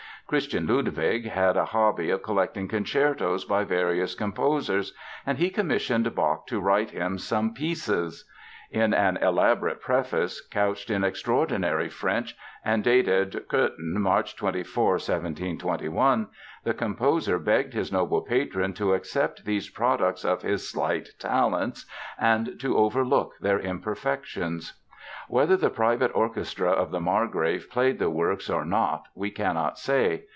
Christian Ludwig had a hobby of collecting concertos by various composers and he commissioned Bach to write him "some pieces." In an elaborate preface couched in extraordinary French and dated "Cöthen, March 24, 1721," the composer begged his noble patron to accept these products of his "slight talents" and to "overlook their imperfections." Whether the private orchestra of the Margrave played the works or not we cannot say.